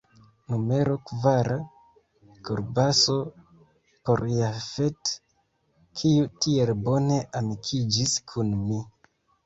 Numero kvara: Kolbaso; por Jafet, kiu tiel bone amikiĝis kun mi.